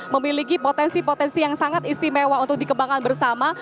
memiliki potensi potensi yang sangat istimewa untuk dikembangkan bersama